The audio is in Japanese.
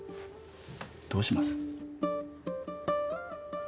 どうします？